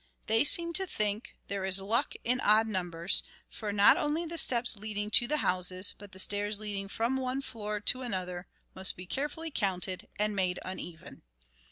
They seem to think "There is luck in odd numbers," for not only the steps leading to the houses, but the stairs leading from one floor to another must be carefully counted and made uneven.